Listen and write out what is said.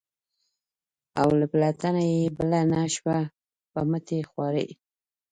اوله پلته یې بله نه شوه په مټې خوارۍ.